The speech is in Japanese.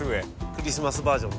クリスマスバージョンで。